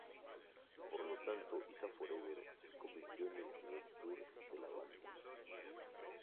Por lo tanto, Isa Forever se convirtió en el primer tour de la banda.